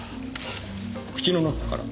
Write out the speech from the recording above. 口の中から？